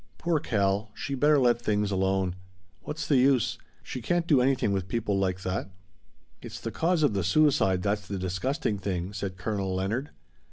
"Poor Cal, she'd better let things alone. What's the use? She can't do anything with people like that." "It's the cause of the suicide that's the disgusting thing," said Colonel Leonard.